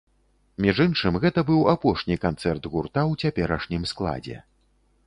Між іншым, гэта быў апошні канцэрт гурта ў цяперашнім складзе.